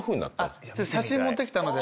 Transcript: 写真持ってきたので。